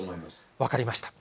分かりました。